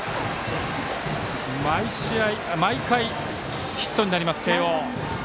毎回ヒットになります、慶応。